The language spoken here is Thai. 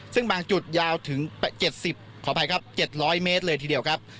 ซึ่งบางจุดยาวถึง๗๐ขออภัยครับ๗๐๐เมตรเลยทีเดียวครับ